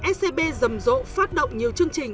scb rầm rỗ phát động nhiều chương trình